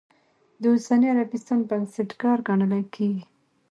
د اوسني عربستان بنسټګر ګڼلی کېږي.